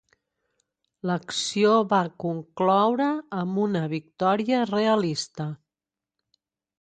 L'acció va concloure amb una victòria realista.